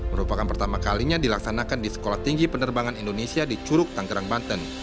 merupakan pertama kalinya dilaksanakan di sekolah tinggi penerbangan indonesia di curug tanggerang banten